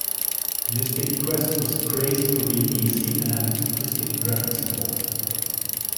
"Mystic Quest" was "praised" for being easy and having simplistic graphics and plot.